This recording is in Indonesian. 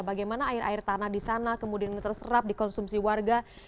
bagaimana air air tanah disana kemudian terserap dikonsumsi warga